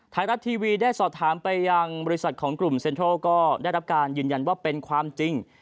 ไทยรัฐทีวีได้สอบถามไปยังบริษัทของกลุ่มเซ็นทรัลก็ได้รับการยืนยันว่าเป็นความจริง